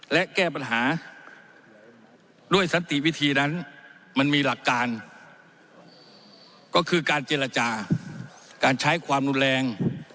และแก้ปัญหาด้วยสันติวิธีนั้นมันมีหลักการก็คือการเจรจาการใช้ความรุนแรง